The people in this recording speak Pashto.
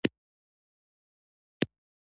تاسې به د هډوکو، بندونو او عضلو له ناروغیو پوه شئ.